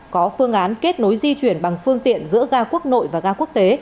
có phương án kết nối di chuyển bằng phương tiện giữa ga quốc nội và ga quốc tế